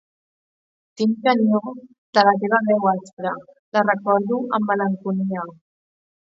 Tinc enyor de la teva veu aspra, la recordo amb malenconia.